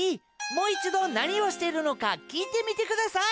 もういちどなにをしてるのかきいてみてください。